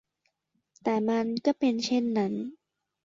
แต่มันก็เป็นเช่นนั้น